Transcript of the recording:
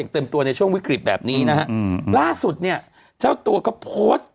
เต็มตัวในช่วงวิกฤตแบบนี้นะฮะล่าสุดเนี่ยเจ้าตัวก็โพสต์